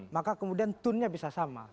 maka kemudian tunnya bisa sama